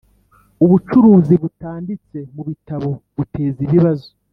Ubucuruzi butanditse mu bitabo buteza ibibazo